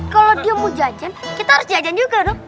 kalau dia mau jajan kita harus jajan juga dong